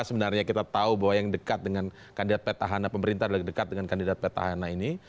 sebenarnya kita tahu bahwa yang dekat dengan kandidat petahana pemerintah adalah dekat dengan kandidat petahana ini